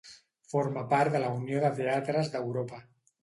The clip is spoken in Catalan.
Forma part de la Unió de Teatres d'Europa.